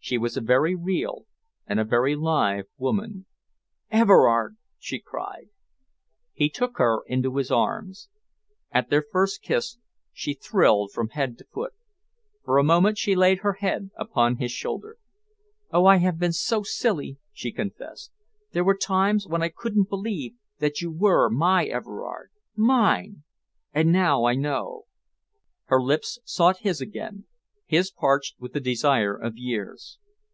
She was a very real and a very live woman. "Everard!" she cried. He took her into his arms. At their first kiss she thrilled from head to foot. For a moment she laid her head upon his shoulder. "Oh, I have been so silly!" she confessed. "There were times when I couldn't believe that you were my Everard mine! And now I know." Her lips sought his again, his parched with the desire of years.